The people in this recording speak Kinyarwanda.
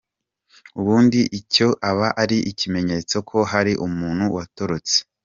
Ubundi icyo aba ari ikimenyetso ko hari umuntu watorotse.